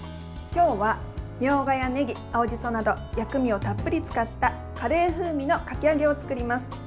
今日は、みょうがやねぎ、青じそなど薬味をたっぷり使ったカレー風味のかき揚げを作ります。